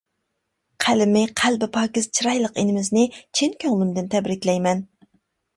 قەلىمى، قەلبى پاكىز، چىرايلىق ئىنىمىزنى چىن كۆڭلۈمدىن تەبرىكلەيمەن.